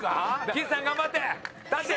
岸さん頑張って！